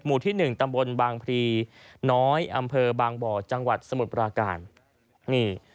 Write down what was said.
ที่หนึ่งตำบลบางพรีน้อยอำเภอบางบ่อจังหวัดสมุทรปราการนี่